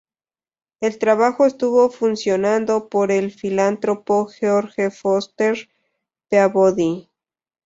El trabajo estuvo financiado por el filántropo George Foster Peabody.